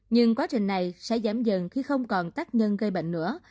nhưng quá trình này sẽ giảm dần khi không còn tác nhân gây bệnh nữa